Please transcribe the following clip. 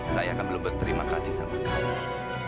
saya akan belum berterima kasih sama kalian